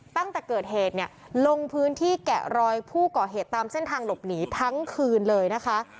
ตั้งแต่เกิดเหตุเนี่ยลงพื้นที่แกะรอยผู้ก่อเหตุตามเส้นทางหลบหนีทั้งคืนเลยนะคะ